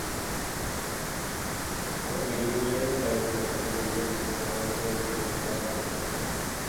তবে মেডিকেলে দায়িত্বে থাকা পুলিশের সঙ্গে যোগাযোগ করে বিস্তারিত জানার চেষ্টা করছি।